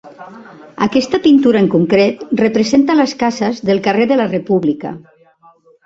Aquesta pintura en concret representa les cases del carrer de la República.